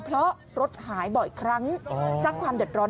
เพราะรถหายบ่อยครั้งสร้างความเดือดร้อน